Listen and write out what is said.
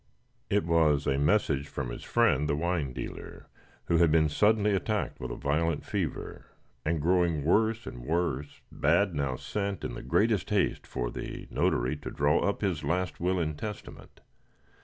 It was a message from his friend the wine dealer, who had been suddenly attacked with a violent fever, and, growing worse and worse, bad now sent in the greatest haste for the notary to draw up his last will and testament.